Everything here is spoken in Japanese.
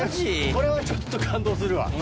これはちょっと感動するわ。